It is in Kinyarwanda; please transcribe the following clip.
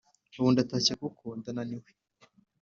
Ubu ndatashye kuko ndananiwe